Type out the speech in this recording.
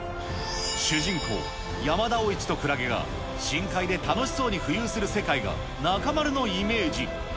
主人公、山田おいちとクラゲが深海で楽しそうに浮遊する世界が、中丸のイメージ。